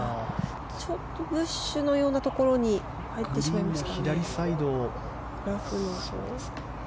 ちょっとブッシュのようなところに入ってしまいましたかね。